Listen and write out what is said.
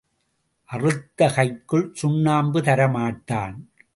அறுத்த கைக்குச் சுண்ணாம்பு தர மாட்டான்.